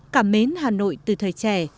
cảm mến hà nội từ thời trẻ